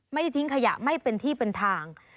ไม่ได้ทิ้งขยะไม่ได้เป็นที่เป็นทาง